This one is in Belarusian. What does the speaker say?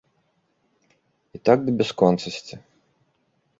І так да бясконцасці.